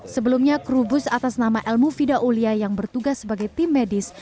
sebelumnya kru bus atas nama ilmu fida ulia yang bertugas sebagai tim medis